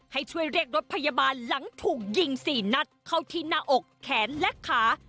ให้ช่วยเรียกรถพยาบาลหลังถูกยิง๔นัดเข้าที่หน้าอกแขนและขา